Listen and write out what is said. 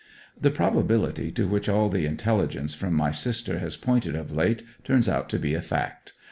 The probability to which all the intelligence from my sister has pointed of late turns out to be a fact.